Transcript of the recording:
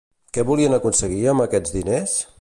Què volien aconseguir amb aquests diners?